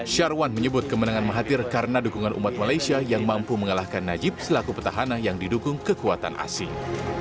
syarwan menyebut kemenangan mahathir karena dukungan umat malaysia yang mampu mengalahkan najib selaku petahana yang didukung kekuatan asing